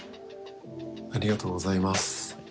ありがとうございます。